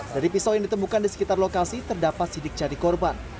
dari pisau yang ditemukan di sekitar lokasi terdapat sidik jari korban